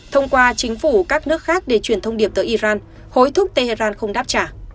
thông qua chính phủ các nước khác để truyền thông điệp tới iran hối thúc tehran không đáp trả